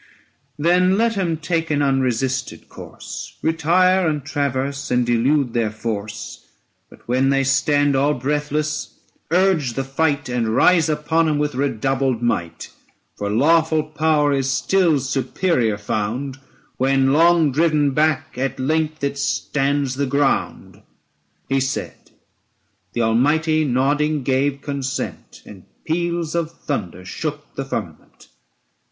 Then let them take an unresisted course; 1020 Retire and traverse, and delude their force : But when they stand all breathless, urge the fight And rise upon them with redoubled might : For lawful power is still superior found, 1024 When long driven back at length it stands the ground.' He said. The Almighty, nodding, gave consent; And peals of thunder shook the firmament.